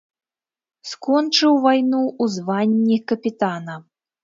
Скончыў вайну ў званні капітана.